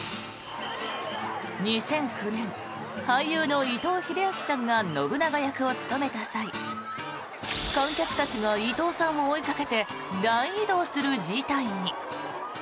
２００９年俳優の伊藤英明さんが信長役を務めた際観客たちが伊藤さんを追いかけて大移動する事態に。